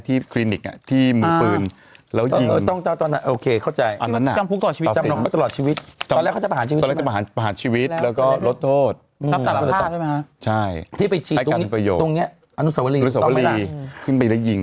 ที่เครนิกที่หมู่พื้น